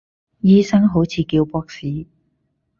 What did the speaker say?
醫生好似叫博士